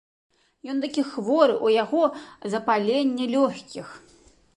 Ён такі хворы, у яго запаленне лёгкіх.